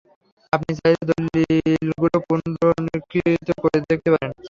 আপনি চাইলে দলীলগুলো পুনঃনীরিক্ষা করে দেখতে পারেন।